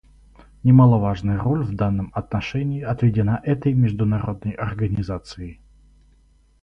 Немаловажная роль в данном отношении отведена этой международной организации.